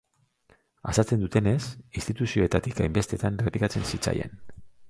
Azaltzen dutenez, instituzioetatik hainbestetan errepikatzen zitzaien.